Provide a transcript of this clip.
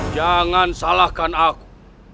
jangan salahkan aku